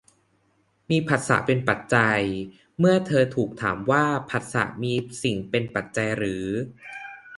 มีผัสสะเป็นปัจจัย เมื่อเธอถูกถามว่าผัสสะมีสิ่งเป็นปัจจัยหรือ